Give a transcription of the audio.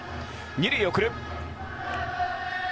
２塁へ送る。